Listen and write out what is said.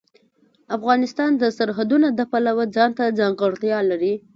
افغانستان د سرحدونه د پلوه ځانته ځانګړتیا لري.